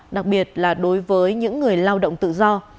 đặc biệt là đối với những người lao động tự do